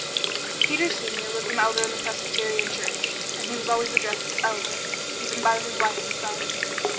Peter Senior was an Elder in the Presbyterian Church, and he was always addressed as Elder, even by his wife and son.